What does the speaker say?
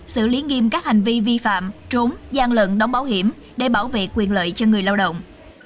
xử lý nghiêm các hành vi vi phạm trốn gian lận đóng bảo hiểm để bảo vệ quyền lợi cho người lao động